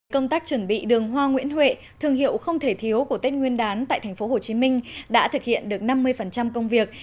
công tác chuẩn bị đường hoa nguyễn huệ thương hiệu không thể thiếu của tết nguyên đán tại tp hcm đã thực hiện được năm mươi công việc